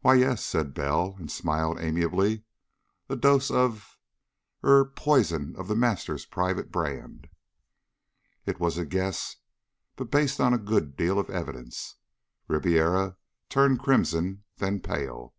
"Why, yes," said Bell, and smiled amiably. "A dose of er poison of The Master's private brand." It was a guess, but based on a good deal of evidence. Ribiera turned crimson, then pale.